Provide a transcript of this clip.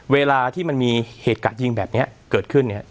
เวลาที่มันมีเหตุการณ์ยิงแบบนี้เกิดขึ้นเนี่ย